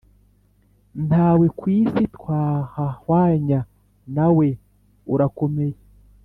ntawe kw’si twahahwanya nawe urakomeye